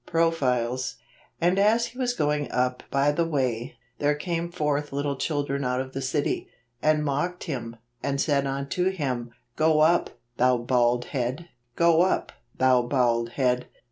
Profiles. " And as he teas going up by the way, there came forth little children out of the city, and mocked him, and said unto him, Go up, thou bald head; go up, thou bald head.